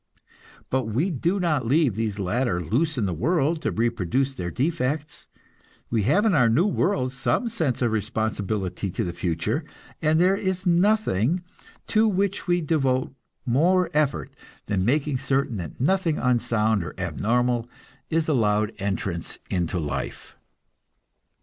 But we do not leave these latter loose in the world to reproduce their defects; we have in our new world some sense of responsibility to the future, and there is nothing to which we devote more effort than making certain that nothing unsound or abnormal is allowed entrance into life.